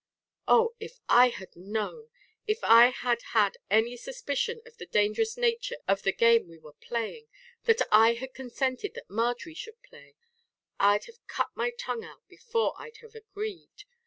Oh! if I had known! If I had had any suspicion of the dangerous nature of the game we were playing that I had consented that Marjory should play I'd have cut my tongue out before I'd have agreed.